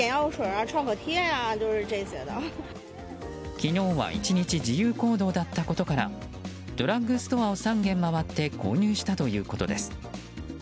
昨日は１日自由行動だったことからドラッグストア３軒回って購入したということです。